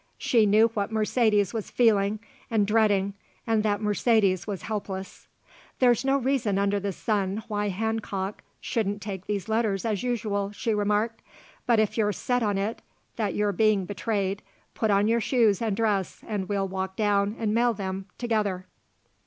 She knew what Mercedes was feeling, and dreading; and that Mercedes was helpless. "There's no reason under the sun why Handcock shouldn't take these letters as usual," she remarked; "but if you're set on it that you're being betrayed, put on your shoes and dress and we'll walk down and mail them together."